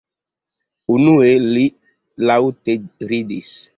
Unue, li laŭte ridis.